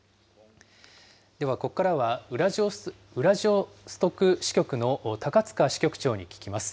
ではここからは、ウラジオストク支局の高塚支局長に聞きます。